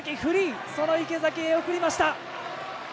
池崎へ送りました。